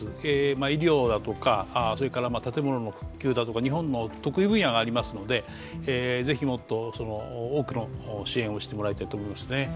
医療だとか建物の復旧だとか、日本の得意分野がありますのでぜひもっと多くの支援をしてもらいたいと思いますね。